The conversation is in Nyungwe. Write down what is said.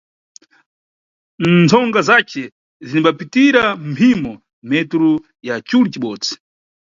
Ntsonga zace zinimbapitira mphimo metru ya culu cibodzi.